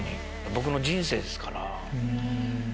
僕の人生ですから。